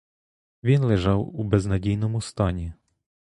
Він лежав у безнадійному стані.